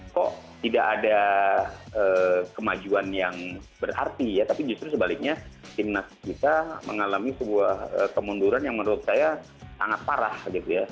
kok tidak ada kemajuan yang berarti ya tapi justru sebaliknya timnas kita mengalami sebuah kemunduran yang menurut saya sangat parah gitu ya